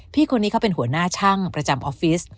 พี่คนนี้เขาเป็นหัวหน้าช่างประจำออฟฟิศ